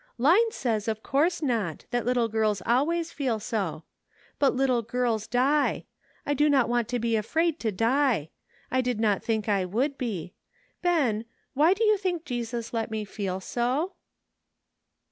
Line says of course not, that little girls always feel so. But little girls die. I do not want to be afraid to die. I did not think I would be. Ben, why do you think Jesus let me feel so?"